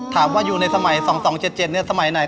ถามว่าอยู่ในสมัย๒๒๗๗เนี่ยสมัยไหน